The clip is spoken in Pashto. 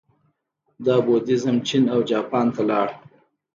دا بودیزم چین او جاپان ته لاړ